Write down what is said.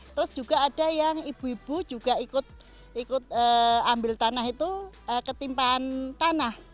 terus juga ada yang ibu ibu juga ikut ambil tanah itu ketimpaan tanah